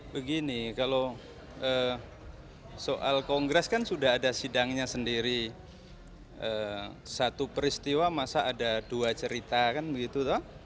begini kalau soal kongres kan sudah ada sidangnya sendiri satu peristiwa masa ada dua cerita kan begitu